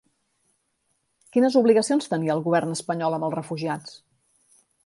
Quines obligacions tenia el govern espanyol amb els refugiats?